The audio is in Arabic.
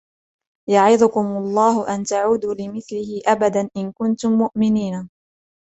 يعظكم الله أن تعودوا لمثله أبدا إن كنتم مؤمنين